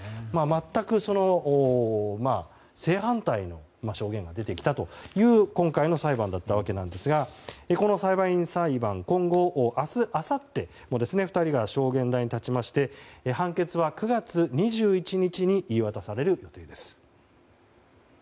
全く正反対な証言が出てきたという今回の裁判だったわけですがこの裁判員裁判今後、明日、あさっても２人が証言台に立ちまして判決は９月１１日に言い渡される予定です。